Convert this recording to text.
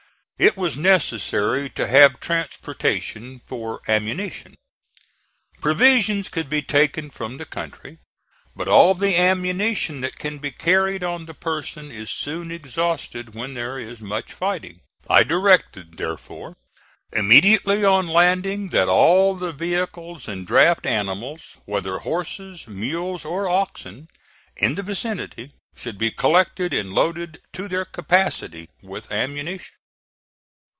It was necessary to have transportation for ammunition. Provisions could be taken from the country; but all the ammunition that can be carried on the person is soon exhausted when there is much fighting. I directed, therefore, immediately on landing that all the vehicles and draft animals, whether horses, mules, or oxen, in the vicinity should be collected and loaded to their capacity with ammunition.